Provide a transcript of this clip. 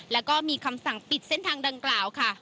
แล้วก็มีคำสั่งปิดเส้นทางดังกล่าวค่ะ